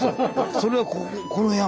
それがこの山。